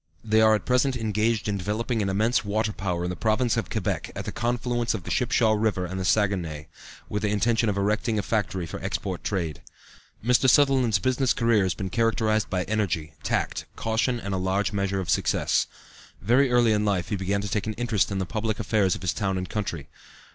They are at present engaged in developing an immense water power in the Province of Quebec, at the confluence of the Shipshaw River and the Saguenay, with the intention of erecting a factory for export trade. Mr. Sutherland's business career has been characterized by energy, tact, caution and a large measure of success. Very early in life he began to take an interest in the public affairs of his town and country.